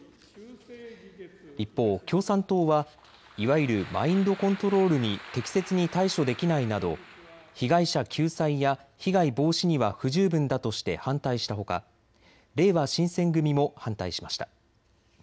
一方、共産党はいわゆるマインドコントロールに適切に対処できないなど被害者救済や被害防止には不十分だとして反対したほかれいわ新選組も反対しました。